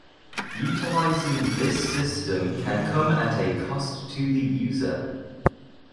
Utilizing this system can come at a cost to the user.